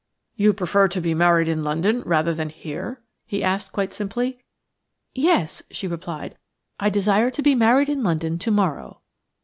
"You prefer to be married in London rather than here?" he asked quite simply. "Yes," she replied; "I desire to be married in London to morrow."